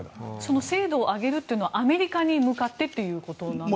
精度を上げるというのはアメリカに向かってですか？